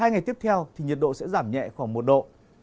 hai ngày tiếp theo thì nhiệt độ sẽ giảm nhẹ khoảng một độ